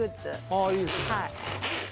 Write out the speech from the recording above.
ああいいですね。